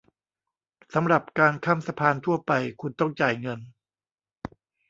สำหรับการข้ามสะพานทั่วไป คุณต้องจ่ายเงิน